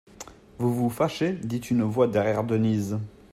Vous vous fâchez ? dit une voix derrière Denise.